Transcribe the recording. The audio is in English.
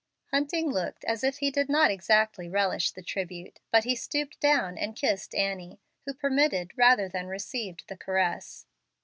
Hunting looked as if he did not exactly relish the tribute, but he stooped down and kissed Annie, who permitted rather than received the caress.